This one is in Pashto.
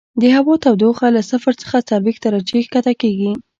د هوا تودوخه له صفر څخه څلوېښت درجې ښکته کیږي